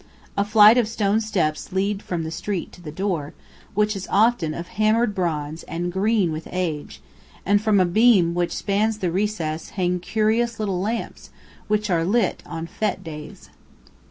A flight of stone steps lead from the street to the door, which is often of hammered bronze and green with age, and from a beam which spans the recess hang curious little lamps, which are lit on fete days.